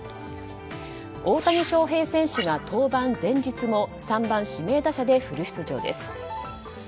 大谷翔平選手が登板前日も３番指名打者でフル出場です。